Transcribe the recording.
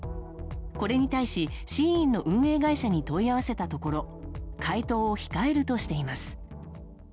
これに対し、ＳＨＥＩＮの運営会社に問い合わせたところ回答を控えるとしています。